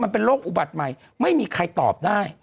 มันเป็นโรคอุบัติใหม่ไม่มีใครตอบได้